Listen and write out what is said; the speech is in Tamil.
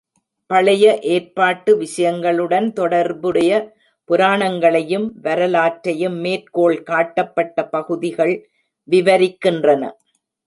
பழைய ஏற்பாட்டு விஷயங்களுடன் தொடர்புடைய புராணங்களையும் வரலாற்றையும் மேற்கோள் காட்டப்பட்ட பகுதிகள் விவரிக்கின்றன.